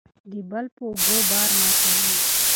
د بل په اوږو بار مه کیږئ.